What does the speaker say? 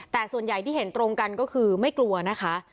แต่ส่วนใหญ่ที่เห็นตรงกันก็คือไม่กลัวนะคะ